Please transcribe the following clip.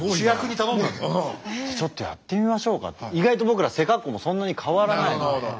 じゃあちょっとやってみましょうかって。意外と僕ら背格好もそんなに変わらないので。